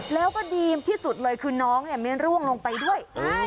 แล้วก็ดีที่สุดเลยคือน้องไม่ร่วงลงไปด้วย